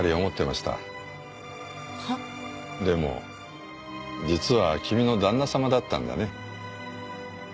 でも実は君の旦那様だったんだね。